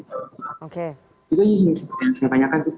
itu saja yang saya tanyakan